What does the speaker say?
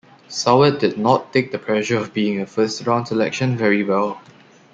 Soward did not take the pressure of being a first-round selection very well.